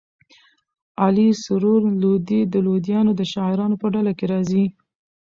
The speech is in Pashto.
علي سرور لودي د لودیانو د شاعرانو په ډله کښي راځي.